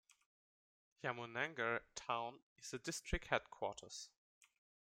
Yamunanagar town is the district headquarters.